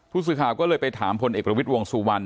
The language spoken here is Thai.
ผู้สื่อข่าวก็เลยไปถามพลเอกประวิทย์วงสุวรรณ